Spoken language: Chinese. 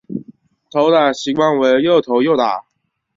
投打习惯为右投右打。